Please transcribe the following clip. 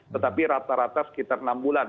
tetapi rata rata sekitar enam bulan